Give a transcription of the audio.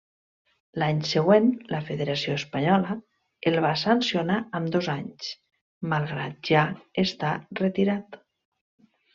L'any següent, la Federació Espanyola, el va sancionar amb dos anys, malgrat ja estar retirat.